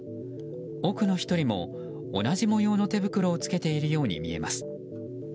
奥の１人も同じ模様の手袋をつけているように見えます。